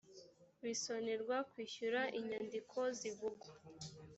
bisonerwa kwishyura inyandiko zivugwa